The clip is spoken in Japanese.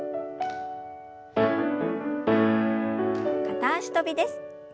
片脚跳びです。